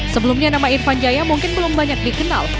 sebelumnya nama irfan jaya mungkin belum banyak dikenal